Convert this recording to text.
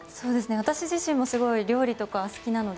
私自身も料理とかは好きなので。